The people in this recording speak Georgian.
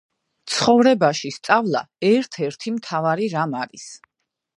ცხოვრებაქში სწავლა ერთ ერთი მთავარი რამ არი